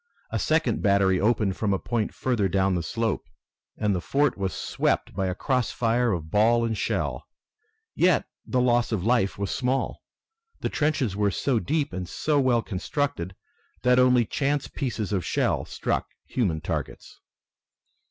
A second battery opened from a point further down the slope, and the fort was swept by a cross fire of ball and shell. Yet the loss of life was small. The trenches were so deep and so well constructed that only chance pieces of shell struck human targets.